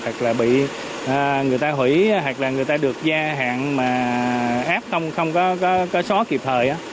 hoặc là người ta hủy hoặc là người ta được gia hạn mà app không có xóa kịp thời